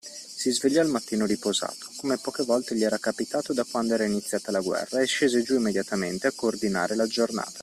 Si svegliò al mattino riposato, come poche volte gli era capitato da quando era iniziata la guerra, e scese giù immediatamente a coordinare la giornata.